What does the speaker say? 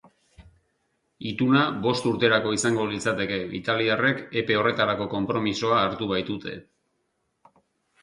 Ituna bost urterako izango litzateke, italiarrek epe horretarako konpromisoa hartu baitute.